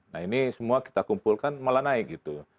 nah ini semua kita kumpulkan malah naik gitu